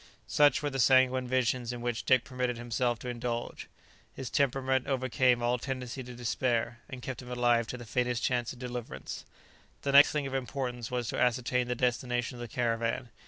Such were the sanguine visions in which Dick permitted himself to indulge; his temperament overcame all tendency to despair, and kept him alive to the faintest chance of deliverance. The next thing of importance was to ascertain the destination of the caravan.